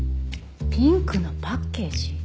ピンクのパッケージ？